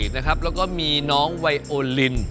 แล้วก็มีน้องไวโอลิน